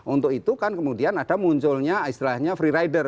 untuk itu kan kemudian ada munculnya istilahnya free rider